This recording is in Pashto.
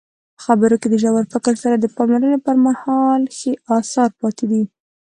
په خبرو کې د ژور فکر سره د پاملرنې پرمهال ښې اثار پاتې کیږي.